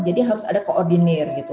harus ada koordinir gitu